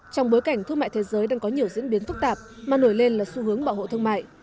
trong bối cảnh thương mại thế giới đang có nhiều diễn biến phức tạp mà nổi lên là xu hướng bảo hộ thương mại